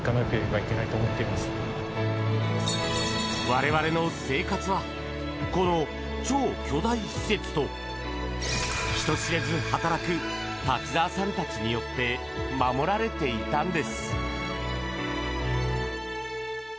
我々の生活はこの超巨大施設と、人知れず働く滝沢さんたちによって守られていたんです。